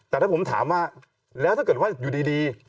แต่ถ้าผมถามว่าแล้วถ้าเกิดว่าอยู่ดี